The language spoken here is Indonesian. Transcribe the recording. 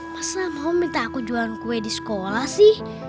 masa mau minta aku jualan kue di sekolah sih